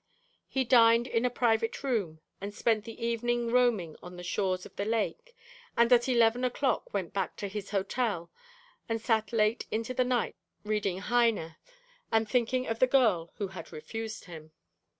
He dined in a private room, and spent the evening roaming on the shores of the lake, and at eleven o'clock went back to his hotel and sat late into the night reading Heine, and thinking of the girl who had refused him.